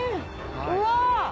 うわ！